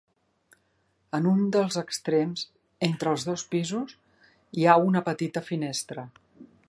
En un dels extrems, entre els dos pisos, hi ha una petita finestra.